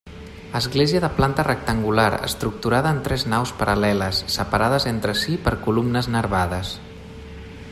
Església de planta rectangular estructurada en tres naus paral·leles, separades entre si per columnes nervades.